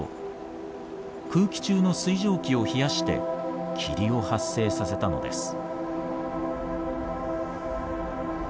空気中の水蒸気を冷やして霧を発生させたのです。